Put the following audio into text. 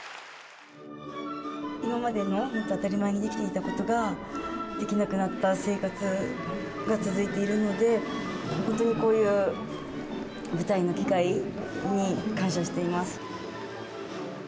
今までの当たり前にできていたことができなくなった生活が続いているので、本当にこういう舞台の機会に感謝しています。